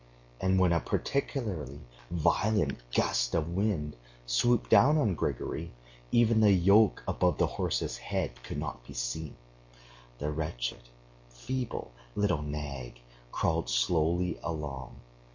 And when a particularly violent gust of wind swooped down on Grigory, even the yoke above the horse's head could not be seen. The wretched, feeble little nag crawled slowly along.